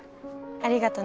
ありがとね